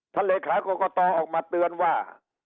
เลขากรกตออกมาเตือนว่า